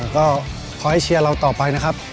ก็ขอให้เชียร์เราต่อไปนะครับ